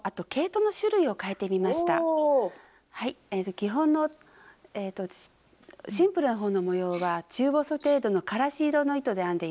基本のシンプルな方の模様は中細程度のからし色の糸で編んでいます。